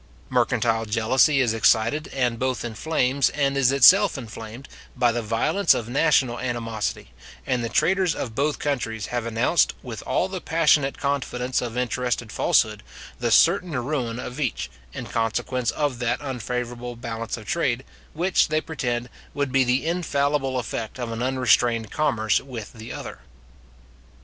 Mercantile jealousy is excited, and both inflames, and is itself inflamed, by the violence of national animosity, and the traders of both countries have announced, with all the passionate confidence of interested falsehood, the certain ruin of each, in consequence of that unfavourable balance of trade, which, they pretend, would be the infallible effect of an unrestrained commerce with the other.